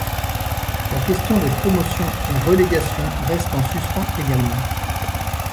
La question des promotions et relégations reste en suspens également.